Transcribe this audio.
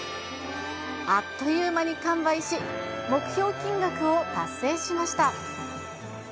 あっという間に完売し、目標金額を達成しました。